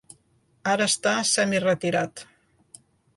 Ara està semi-retirat.